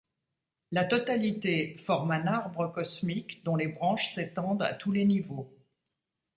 La totalité forme un arbre cosmique dont les branches s'étendent à tous les niveaux.